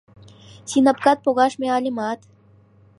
Синапкат погаш мияльымат